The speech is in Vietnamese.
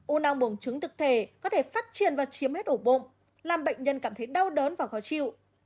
u não bổng trứng thực thể có thể phát triển và chiếm hết ổ bụng làm bệnh nhân cảm thấy đau đớn và khó chịu